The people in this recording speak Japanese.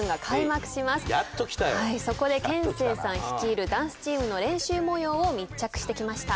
そこでＫＥＮＳＥＩさん率いるダンスチームの練習模様を密着してきました。